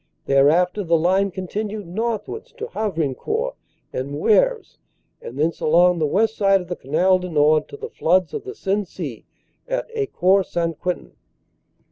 Thereafter the line continued northwards to Havrincourt and Moeuvres and thence along the west side of the Canal du Nord to the floods of the Sensee at Ecourt St. Quentin.